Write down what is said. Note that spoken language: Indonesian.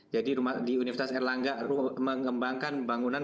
jadi di universitas air langga mengembangkan bangunan